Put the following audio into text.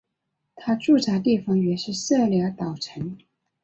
他驻扎地方约是社寮岛城。